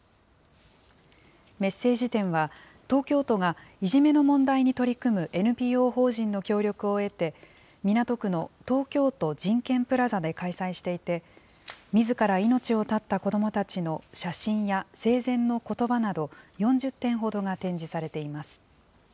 メッセージ展は、東京都がいじめの問題に取り組むＮＰＯ法人の協力を得て、港区の東京都人権プラザで開催していて、みずから命を絶った子どもたちの写真や生前のことばなど、４０点ほどが展示されています。